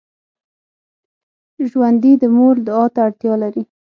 ژوندي د مور دعا ته اړتیا لري